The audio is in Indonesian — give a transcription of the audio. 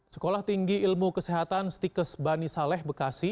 sekolah tinggi ilmu kesehatan stikes bani saleh bekasi